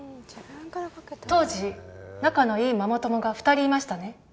当時、仲のいいママ友が２人いましたね？